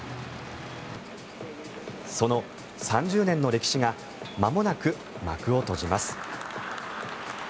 その３０年の歴史がまもなく幕を閉じます。